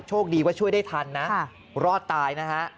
โชคดีว่าช่วยได้ทันนะรอดตายนะฮะ